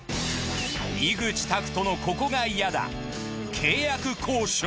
井口卓人のここが嫌だ。